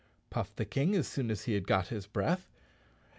puffed the King, as soon as he had got his breath.